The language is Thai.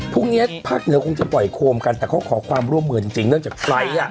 เนี้ยภาคเหนือคงจะปล่อยโคมกันแต่เขาขอความร่วมมือจริงเนื่องจากไฟล์อ่ะ